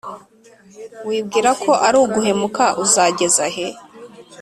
Wibwira ko ari uguhemuka, Uzageza he ?